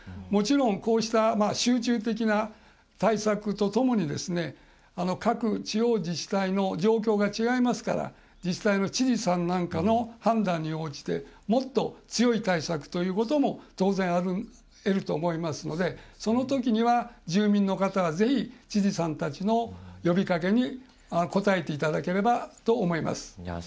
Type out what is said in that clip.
もちろん、こうした集中的な対策とともに、各地方自治体の状況が違いますから自治体の知事さんなんかの判断に応じてもっと、強い対策ということも当然ありえると思いますのでそのときには住民の方はぜひ、知事さんたちの呼びかけに応えていただければと思います。